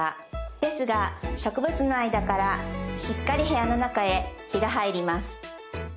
ですが植物の間からしっかり部屋の中へ日が入ります。